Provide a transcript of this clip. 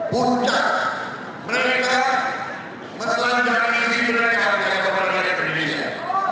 mereka menelan berani diberi harga kepada rakyat indonesia